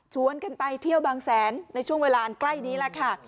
กันไปเที่ยวบางแสนในช่วงเวลาใกล้นี้แหละค่ะ